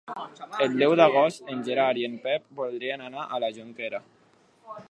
El deu d'agost en Gerard i en Pep voldrien anar a la Jonquera.